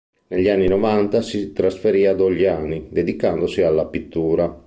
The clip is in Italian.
Negli anni novanta si trasferì a Dogliani dedicandosi alla pittura.